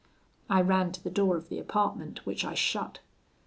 I ran to the door of the apartment, which I shut.